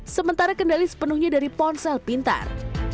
sementara kendali sepenuhnya dari ponsel pintar